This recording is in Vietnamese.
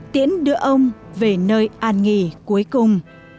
tiễn đưa ông về nơi an nghỉ cuối cùng